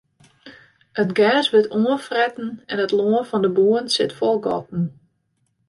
It gers wurdt oanfretten en it lân fan de boeren sit fol gatten.